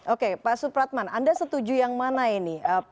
oke pak supratman anda setuju yang mana ini